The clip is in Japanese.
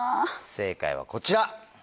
正解はこちら。